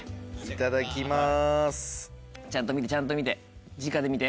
いただきます。